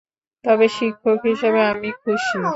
তবে শিক্ষক হিসেবে আমি খুশি।